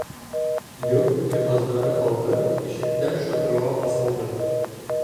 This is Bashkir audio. Йорт йыһаздары ауҙы, ишектәр шатырлап асылды.